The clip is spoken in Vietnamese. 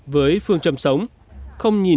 với phương trầm sống